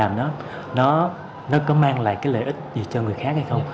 mình làm nó nó có mang lại cái lợi ích gì cho người khác hay không